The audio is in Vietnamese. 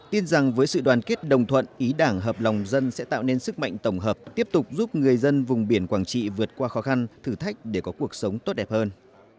tin rằng với sự đoàn kết đồng thuận ý đảng hợp lòng dân sẽ tạo nên sức mạnh tổng hợp tiếp tục giúp người dân vùng biển quảng trị vượt qua khó khăn thử thách để có cuộc sống tốt đẹp hơn